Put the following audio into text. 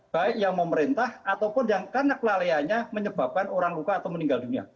baik yang memerintah ataupun yang karena kelalaiannya menyebabkan orang luka atau meninggal dunia